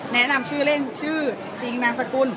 แนะนำชื่อเล่นชื่อจริงนามสกุล